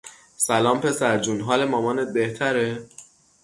سلام پسرجون ، حال مامانت بهتره ؟